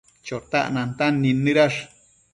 Chotac nantan nidnëdash